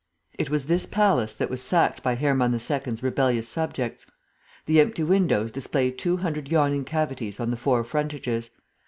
It was this palace that was sacked by Hermann II.'s rebellious subjects. The empty windows display two hundred yawning cavities on the four frontages.